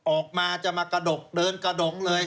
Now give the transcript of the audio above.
ออกมาจะมากระดกเดินกระดกเลย